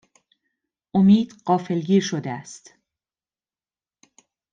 امید غافگیر شده است